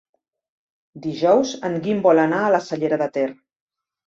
Dijous en Guim vol anar a la Cellera de Ter.